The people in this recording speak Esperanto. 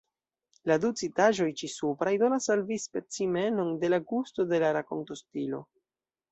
La du citaĵoj ĉisupraj donas al vi specimenon de la gusto de la rakontostilo.